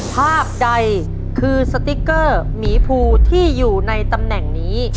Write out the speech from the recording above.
ภาพใดคือสติ๊กเกอร์หมีภูที่อยู่ในตำแหน่งนี้